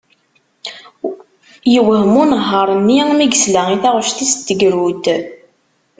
Yewhem unehhar-nni mi yesla i taɣect-is n tegrudt.